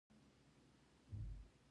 د ترنجبین د څه لپاره وکاروم؟